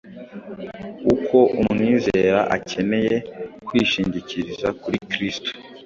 uko umwizera akeneye kwishingikiriza kuri kristo.